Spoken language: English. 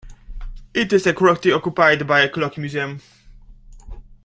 It is currently occupied by a Clock Museum.